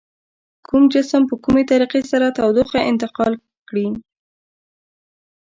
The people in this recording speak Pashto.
کوم جسم په کومې طریقې سره تودوخه انتقال کړي؟